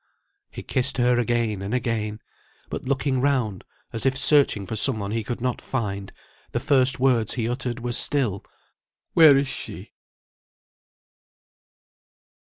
He kissed her again and again, but looking round as if searching for some one he could not find, the first words he uttered were still, "Where is she?"